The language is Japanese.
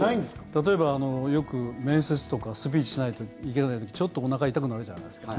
例えばよく、面接とかスピーチしないといけない時ちょっとおなか痛くなるじゃないですか。